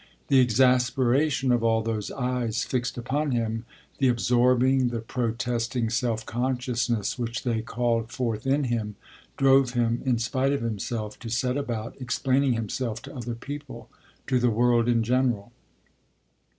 The exasperation of all those eyes fixed upon him, the absorbing, the protesting self consciousness which they called forth in him, drove him, in spite of himself, to set about explaining himself to other people, to the world in general.